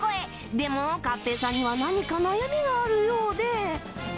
でも勝平さんには何か悩みがあるようで